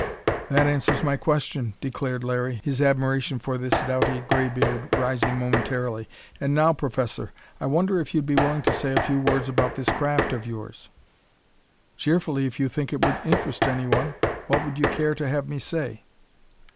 "That answers my question," declared Larry, his admiration for this doughty graybeard rising momentarily. "And now, Professor, I wonder if you'd be willing to say a few words about this craft of yours?" "Cheerfully, if you think it would interest anyone. What would you care to have me say?"